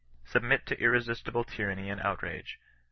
Submit to irresistible tyranny and outrage.